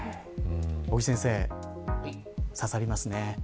尾木先生ささりますね。